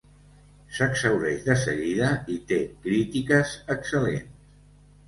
S'exhaureix de seguida i té crítiques excel·lents.